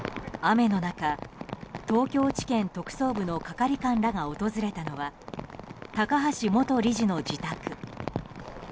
雨の中、東京地検特捜部の係官らが訪れたのは高橋元理事の自宅。